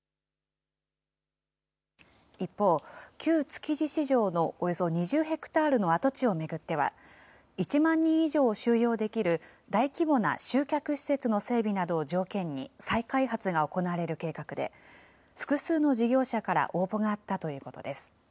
一方、旧築地市場のおよそ２０ヘクタールの跡地を巡っては、１万人以上を収容できる大規模な集客施設の整備などを条件に再開発が行われる計画で、複数の事業者から応募があったということです。